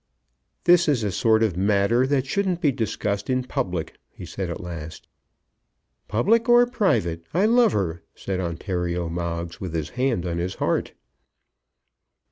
"This is a sort of matter that shouldn't be discussed in public," he said at last. "Public or private, I love her!" said Ontario Moggs with his hand on his heart.